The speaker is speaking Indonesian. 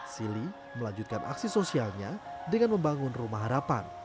silly melanjutkan aksi sosialnya dengan membangun rumah harapan